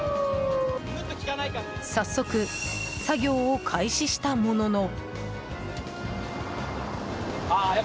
早速、作業を開始したものの。